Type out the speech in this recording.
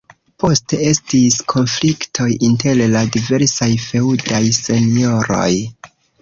Poste estis konfliktoj inter la diversaj feŭdaj senjoroj.